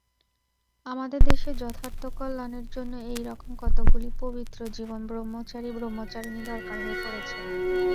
আমাদের দেশে যথার্থ কল্যাণের জন্য এই-রকম কতকগুলি পবিত্রজীবন ব্রহ্মচারী ব্রহ্মচারিণী দরকার হয়ে পড়েছে।